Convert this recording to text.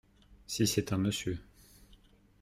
Si c’est un monsieur…